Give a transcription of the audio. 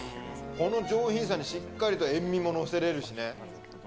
この上品さにしっかりと塩味も載せれるしね。